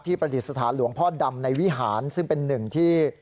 ที่ประติศาสตร์หลวงพ่อดำในวิหารซึ่งเป็นหนึ่งที่